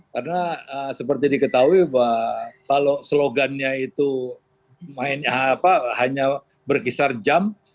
karena seperti diketahui bahwa kalau slogannya itu hanya berkisar jam